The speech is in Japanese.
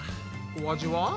お味は？